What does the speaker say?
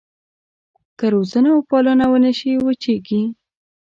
که روزنه وپالنه ونه شي وچېږي.